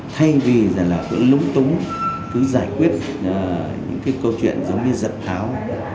thay vì là cứ lúng túng cứ giải quyết những cái câu chuyện giống như giật tháo